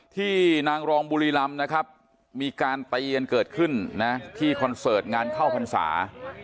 ที่นางรองบุรีรำนะครับมีการตีกันเกิดขึ้นนะที่คอนเสิร์ตงานเข้าพรรษา